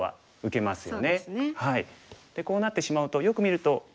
でこうなってしまうとよく見ると。